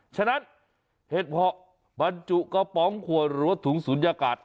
ฉะนั้นเห็ดเพาะบรรจุกระป๋องขวดหรือว่าถุงศูนยากาศ